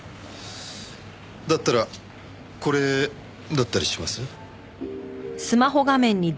だったらこれだったりします？